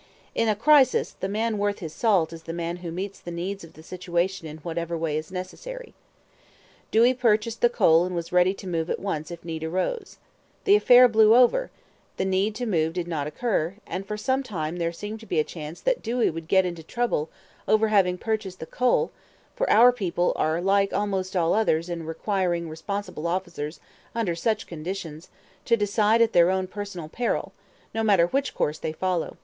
In a crisis, the man worth his salt is the man who meets the needs of the situation in whatever way is necessary. Dewey purchased the coal and was ready to move at once if need arose. The affair blew over; the need to move did not occur; and for some time there seemed to be a chance that Dewey would get into trouble over having purchased the coal, for our people are like almost all other peoples in requiring responsible officers under such conditions to decide at their own personal peril, no matter which course they follow.